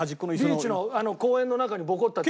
ビーチの公園の中にボコッとあって。